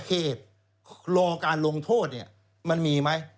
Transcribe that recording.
เขตรอการลงโทษมันมีไหม